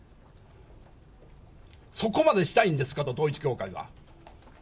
そこまでしたいんですかと、統一教会は。